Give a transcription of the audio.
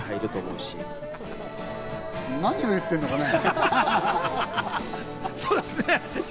剛君、何を言ってるのかね？